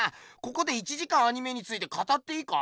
ここで１時間アニメについて語っていいか？